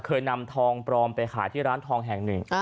เคยนำทองปลอมไปขายที่ร้านทองแห่งหนึ่ง